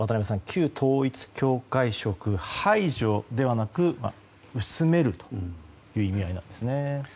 旧統一教会色排除ではなく薄めるという意味合いなんですね。